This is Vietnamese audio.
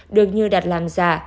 được như đặt làm giả